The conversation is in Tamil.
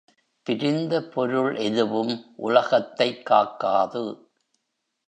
பிரிந்த பொருள் எதுவும் உலகத்தைக் காக்காது.